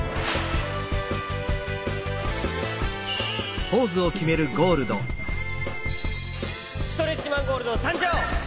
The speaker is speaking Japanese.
ストレッチマン・ゴールドさんじょう！